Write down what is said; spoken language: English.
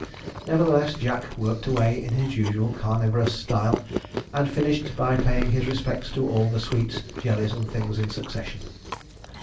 Nevertheless, Jack worked away in his usual carnivorous style, and finished by paying his respects to all the sweets, jellies, and things in succession.